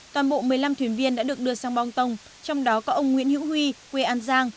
toàn bộ một mươi năm thuyền viên đã được đưa sang bong trong đó có ông nguyễn hữu huy quê an giang